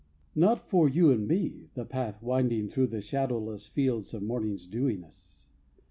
Not for you and me the path Winding through the shadowless Fields of morning's dewiness!